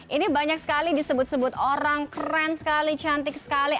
ini banyak sekali disebut sebut orang keren sekali cantik sekali